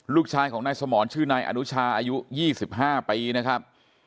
ลูกชายของนายสมรชื่อนายอนุชาอายุ๒๕ปีนะครับ